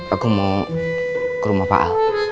aku mau ke rumah pak al